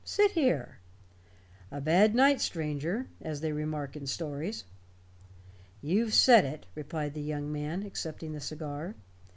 "Sit here. 'A bad night, stranger' as they remark in stories." "You've said it," replied the young man, accepting the cigar.